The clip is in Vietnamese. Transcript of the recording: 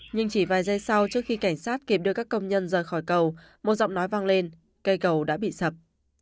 nhưng chỉ vài giây sau trước khi cảnh sát kịp đưa các công nhân rời khỏi cầu một giọng nói văng lên cây cầu đã bị sập